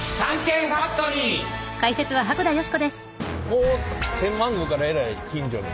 もう天満宮からえらい近所に。